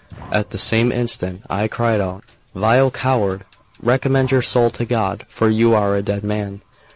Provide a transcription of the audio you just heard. At the same instant I cried out: "Vile coward! recommend your soul to God, for you are a dead man."